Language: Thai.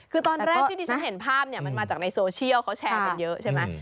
คือตอนแรกที่ที่ฉันเห็นภาพเนี่ยมันมาจากในโซเชียลเขาแชร์กันเยอะใช่ไหม